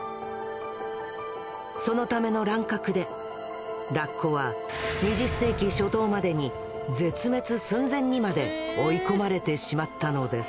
そのための乱獲でラッコは２０世紀初頭までに絶滅寸前にまで追い込まれてしまったのです。